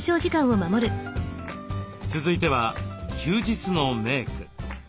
続いては休日のメーク。